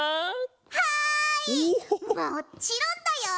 はいもっちろんだよ。